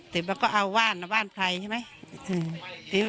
แต่มันก็เอาว่านบ้านว่านใครใช่ไหม